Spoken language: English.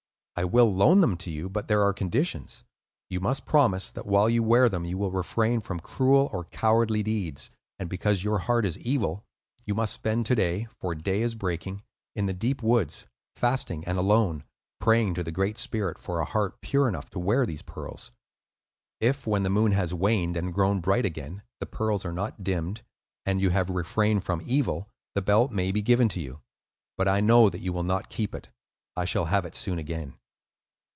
I will loan them to you, but there are conditions. You must promise that while you wear them you will refrain from cruel or cowardly deeds, and, because your heart is evil, you must spend to day (for day is breaking) in the deep woods, fasting and alone, praying to the Great Spirit for a heart pure enough to wear these pearls. If when the moon has waned and grown bright again, the pearls are not dimmed and you have refrained from evil, the belt may be given to you. But I know that you will not keep it; I shall have it soon again."